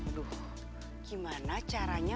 aduh gimana caranya